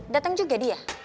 dateng juga dia